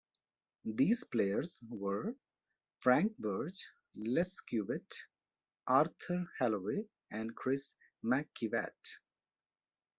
These players were Frank Burge, Les Cubitt, Arthur Halloway and Chris McKivat.